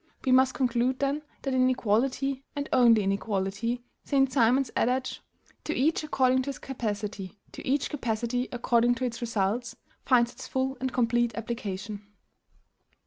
We must conclude, then, that in equality, and only in equality, St. Simon's adage TO EACH ACCORDING TO HIS CAPACITY TO EACH CAPACITY ACCORDING TO ITS RESULTS finds its full and complete application.